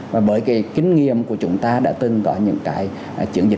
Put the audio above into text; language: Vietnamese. và với kinh nghiệm của chúng ta đã từng có những chiến dịch